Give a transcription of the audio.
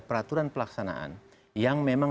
peraturan pelaksanaan yang memang